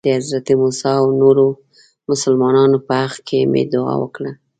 د حضرت موسی او نورو مسلمانانو په حق کې مې دعا وکړه.